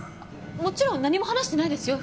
もちろん何も話してないですよ